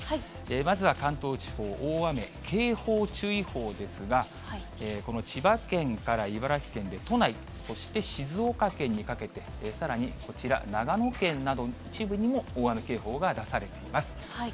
まずは関東地方、大雨警報、注意報ですが、この千葉県から茨城県で、都内、そして静岡県にかけて、さらにこちら、長野県などの一部にも大雨警報が出されています。